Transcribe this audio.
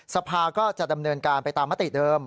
สภาก็จะดำเนินการไปตามมติเดิม